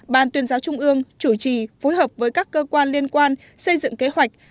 ban tuyên giáo trung ương chủ trì phối hợp với các cơ quan liên quan xây dựng kế hoạch